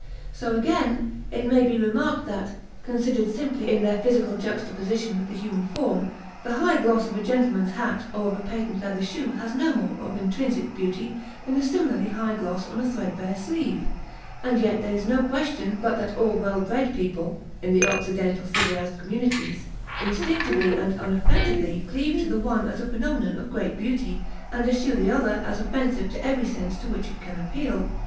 So, again, it may be remarked that, considered simply in their physical juxtaposition with the human form, the high gloss of a gentleman's hat or of a patent leather shoe has no more of intrinsic beauty than a similarly high gloss on a threadbare sleeve; and yet there is no question but that all well bred people (in the Occidental civilized communities) instinctively and unaffectedly cleave to the one as a phenomenon of great beauty, and eschew the other as offensive to every sense to which it can appeal.